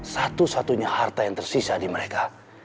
satu satunya harta yang tersisa di mereka